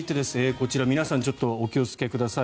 こちら皆さん、お気をつけください。